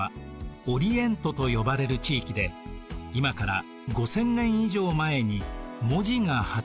オリエントと呼ばれる地域で今から５０００年以上前に文字が発明されました。